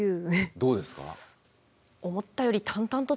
どうですか？